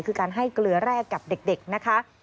คือการให้เกลือแร่กับเด็กนะคะ